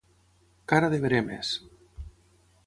Cara de veremes.